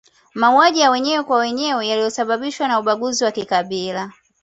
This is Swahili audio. Mauaji ya wenyewe kwa wenye yaliyosababishwa na ubaguzi wa kikabila